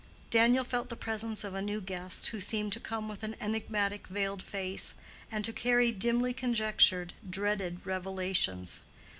Daniel felt the presence of a new guest who seemed to come with an enigmatic veiled face, and to carry dimly conjectured, dreaded revelations.